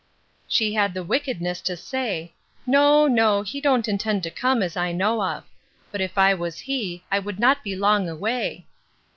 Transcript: She had the wickedness to say, No, no; he don't intend to come, as I know of—But if I was he, I would not be long away.